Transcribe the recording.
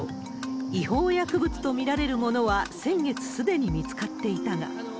違法薬物と見られるものは先月すでに見つかっていたが。